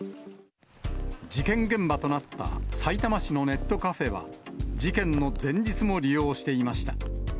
事件現場となったさいたま市のネットカフェは、事件の前日も利用していました。